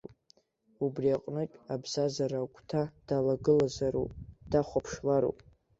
Убри аҟнытә, абзазара агәҭа далагылазароуп, дахәаԥшлароуп.